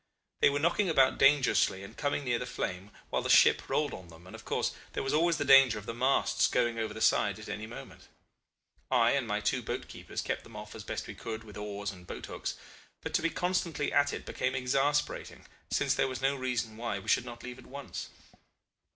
They were knocking about dangerously and coming near the flame, while the ship rolled on them, and, of course, there was always the danger of the masts going over the side at any moment. I and my two boat keepers kept them off as best we could with oars and boat hooks; but to be constantly at it became exasperating, since there was no reason why we should not leave at once.